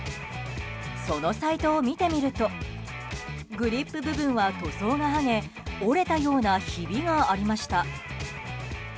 そのサイトを見てみるとグリップ部分は塗装が剥げ折れたようなひびがありました。